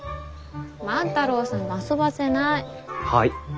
万太郎さんも遊ばせない。